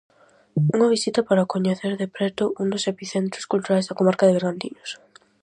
Unha visita para coñecer de preto un dos epicentros culturais da comarca de Bergantiños.